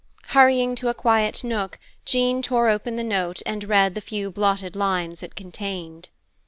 Hurrying to a quiet nook, Jean tore open the note and read the few blotted lines it contained.